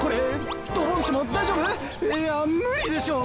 いや無理でしょ！